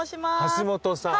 橋本さん。